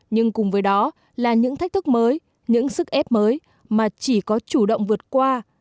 nhưng cùng với đó là những thách thức mới những sức ép mới mà chỉ có chủ động vượt qua